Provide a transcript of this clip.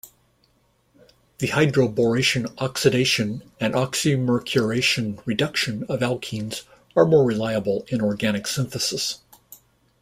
The hydroboration-oxidation and oxymercuration-reduction of alkenes are more reliable in organic synthesis.